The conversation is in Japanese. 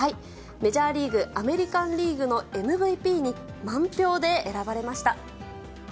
メジャーリーグ・アメリカンリーグのＭＶＰに、満票で選ばれました。